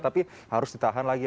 tapi harus ditahan lagi